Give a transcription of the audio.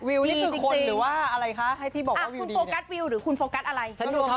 นี่คือคนหรือว่าอะไรคะให้ที่บอกว่าคุณโฟกัสวิวหรือคุณโฟกัสอะไร